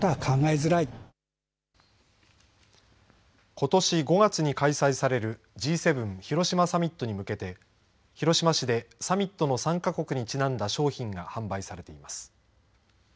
ことし５月に開催されるＧ７広島サミットに向けて広島市でサミットの参加国にちなんだ商品が販売されています。